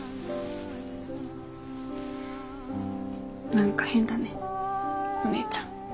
何か変だねお姉ちゃん。